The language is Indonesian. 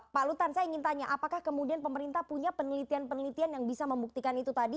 pak lutan saya ingin tanya apakah kemudian pemerintah punya penelitian penelitian yang bisa membuktikan itu tadi